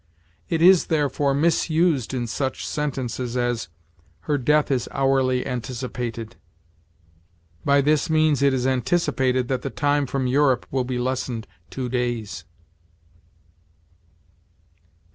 It is, therefore, misused in such sentences as, "Her death is hourly anticipated"; "By this means it is anticipated that the time from Europe will be lessened two days."